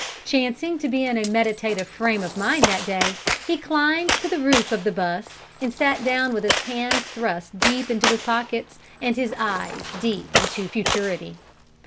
Chancing to be in a meditative frame of mind that day, he climbed to the roof of the 'bus, and sat down with his hands thrust deep into his pockets, and his eyes deep into futurity.